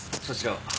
そちらは？